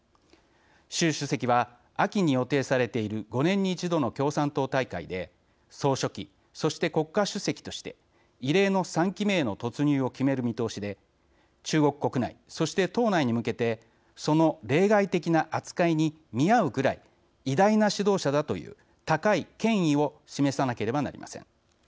習主席は秋に予定されている５年に１度の共産党大会で総書記、そして国家主席として異例の３期目への突入を決める見通しで中国国内、そして党内に向けてその例外的な扱いに見合うくらい偉大な指導者だという高い権威を示さなければなりません。